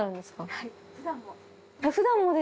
はい。